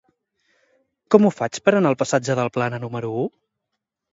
Com ho faig per anar al passatge de la Plana número u?